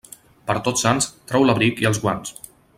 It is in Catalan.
Per Tots Sants, trau l'abric i els guants.